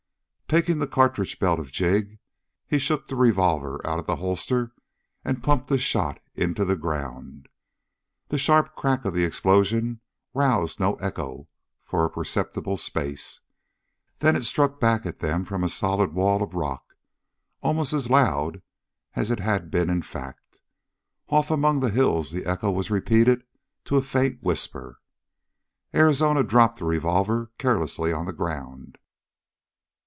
Taking the cartridge belt of Jig he shook the revolver out of the holster and pumped a shot into the ground. The sharp crack of the explosion roused no echo for a perceptible space. Then it struck back at them from a solid wall of rock, almost as loud as it had been in fact. Off among the hills the echo was repeated to a faint whisper. Arizona dropped the revolver carelessly on the ground.